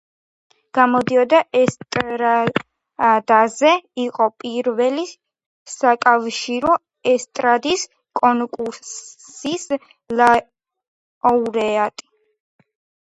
გამოდიოდა ესტრადაზე იყო პირველი საკავშირო ესტრადის კონკურსის ლაურეატი.